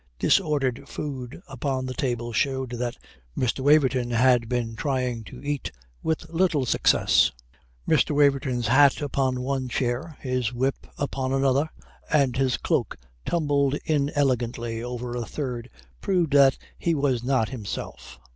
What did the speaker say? Disordered food upon the table showed that Mr. Waverton had been trying to eat with little success. Mr. Waverton's hat upon one chair, his whip upon another, and his cloak tumbled inelegantly over a third proved that he was not himself.